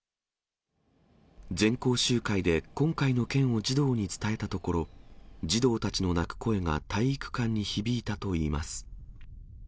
全校集会で、今回の件を児童に伝えたところ、児童たちの泣く声が体育館に響いたといいます。